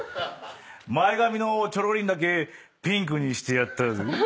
前髪のちょろりんだけピンクにしてやったぜ。